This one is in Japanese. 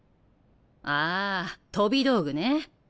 ああ飛び道具ね。